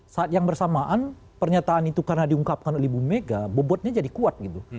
saat yang bersamaan pernyataan itu karena diungkapkan oleh ibu mega bobotnya jadi kuat gitu